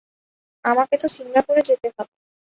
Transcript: আমাকে তো সিঙ্গাপুরে যেতে হবে।